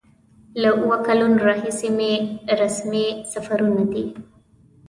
له اوو کلونو راهیسې مې رسمي سفرونه دي.